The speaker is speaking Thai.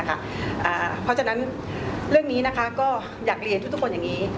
เพราะฉะนั้นเรื่องนี้ก็อยากเรียนทุกคนอย่างนี้